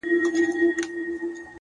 نیک چلند زړونه خپلوي!.